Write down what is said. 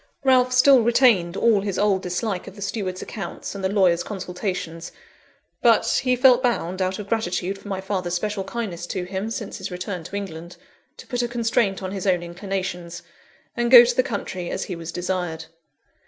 Ralph still retained all his old dislike of the steward's accounts and the lawyer's consultations; but he felt bound, out of gratitude for my father's special kindness to him since his return to England, to put a constraint on his own inclinations, and go to the country as he was desired.